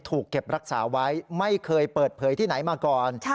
ถูกเก็บรักษาไว้ไม่เคยเปิดเผยที่ไหนมาก่อน